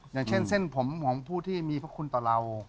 อย่างเช่นเส้นผมของผู้ที่มีพระคุณต่อเรา